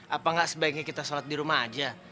apa nggak sebaiknya kita sholat di rumah aja